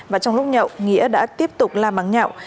và trong lúc nhạo nghĩa đã tiếp tục la mắng nhạo